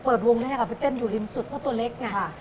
เปิดวงแรกอ่ะไปเต้นอยู่ริมสุดเพราะตัวเล็กน่ะค่ะ